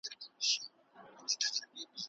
ته خبر نه وي ما سندري درته کړلې اشنا